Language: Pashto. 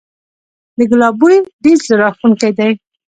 د ګلاب بوی ډیر زړه راښکونکی دی